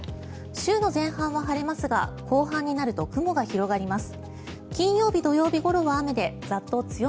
週の前半は晴れますが後半になると雲が広がります。